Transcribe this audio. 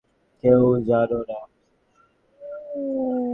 কেউ জানো না?